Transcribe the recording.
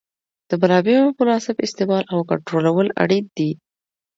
د منابعو مناسب استعمال او کنټرولول اړین دي.